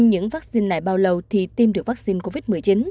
nhưng lại bao lâu thì tiêm được vaccine covid một mươi chín